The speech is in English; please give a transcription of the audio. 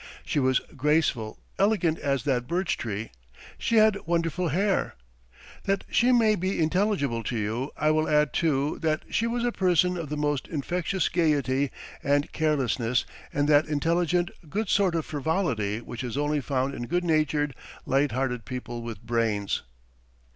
She was graceful, elegant as that birch tree; she had wonderful hair. That she may be intelligible to you, I will add, too, that she was a person of the most infectious gaiety and carelessness and that intelligent, good sort of frivolity which is only found in good natured, light hearted people with brains.